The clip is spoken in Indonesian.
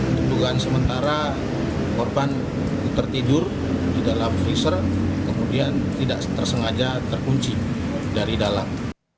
untuk dugaan sementara korban tertidur di dalam freezer kemudian tidak tersengaja terkunci dari dalam